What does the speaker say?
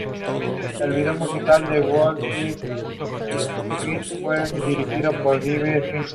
El vídeo musical de "Who Is It" fue dirigido por David Fincher.